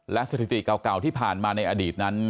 และสถิติเก่าที่ผ่านมาในอดีตนั้น